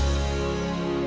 iya udah bagus deh